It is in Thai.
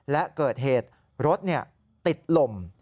และเกิดเหตุรถติดลม